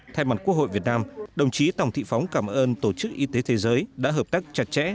thay mặt quốc hội việt nam đồng chí tòng thị phóng cảm ơn tổ chức y tế thế giới đã hợp tác chặt chẽ